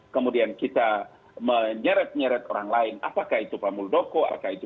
kemudian kita menyeret nyeret orang lain apakah itu pak muldoko apakah itu